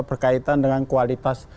berkaitan dengan kualitas